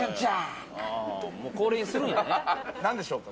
何でしょうか？